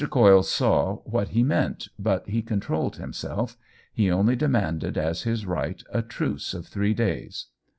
Coyle saw what he meant, but he controlled himself; he only demanded, as his right, a truce of three days.